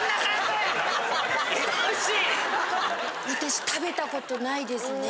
私食べたことないですね。